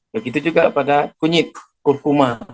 begitu juga pada kunyit kurkuma